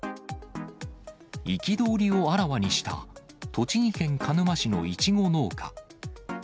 憤りをあらわにした栃木県鹿沼市のイチゴ農家。